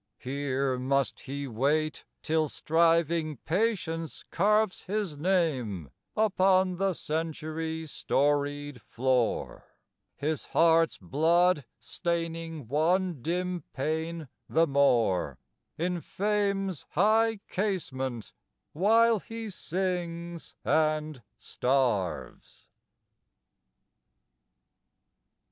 Here must he wait till striving patience carves His name upon the century storied floor; His heart's blood staining one dim pane the more In Fame's high casement while he sings and starves.